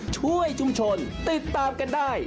ช่วยชุมชนติดตามกันได้